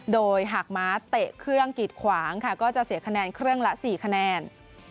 โดยหากม้าเตะเครื่องกิดขวางค่ะก็จะเสียคะแนนเครื่องละ๔คะแนน